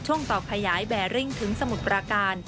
ต่อขยายแบริ่งถึงสมุทรปราการ